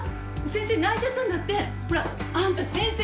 先生泣いちゃったんだってほらあんた先生